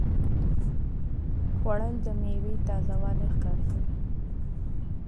خوړل د میوې تازهوالی ښکاره کوي